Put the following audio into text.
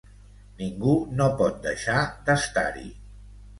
Ningú no pot deixar d’estar-hi.